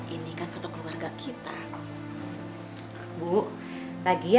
ini kan foto keluarga kita